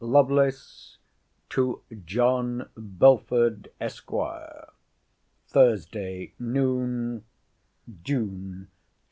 LOVELACE, TO JOHN BELFORD, ESQ. THURSDAY NOON, JUNE 22.